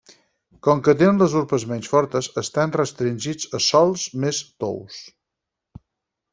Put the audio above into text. Com que tenen les urpes menys fortes, estan restringits a sòls més tous.